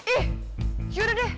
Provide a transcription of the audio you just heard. ih yaudah deh